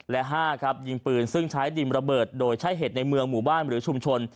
และ๕ครับยิงปืนซึ่งใช้ดินระเบิดโดยใช้เหตุในเมืองหมู่บ้านหรือชุมชน